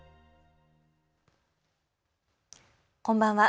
こんばんは。